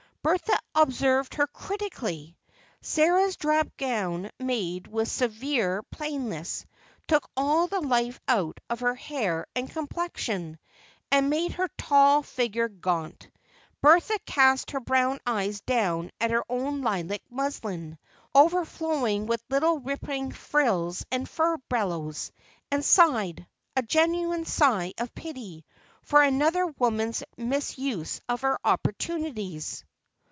Bertha observed her critically. Sarah's drab gown, made with severe plainness, took all the life out of her hair and complexion, and made her tall figure gaunt. Bertha cast her brown eyes down at her own lilac muslin, overflowing with little rippling frills and furbelows, and sighed, a genuine sigh of pity, for another woman's misuse of her opportunities.